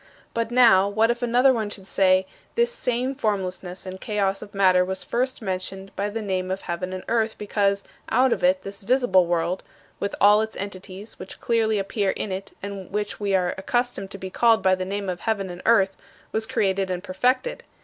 25. But now, what if another one should say, "This same formlessness and chaos of matter was first mentioned by the name of heaven and earth because, out of it, this visible world with all its entities which clearly appear in it and which we are accustomed to be called by the name of heaven and earth was created and perfected"?